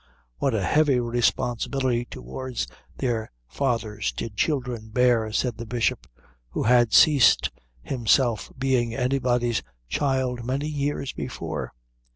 What a heavy responsibility towards their fathers did children bear, said the Bishop, who had ceased himself being anybody's child many years before.